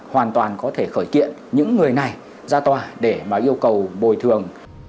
hoàn toàn có thể khởi kiện những người này ra tòa để yêu cầu bồi thường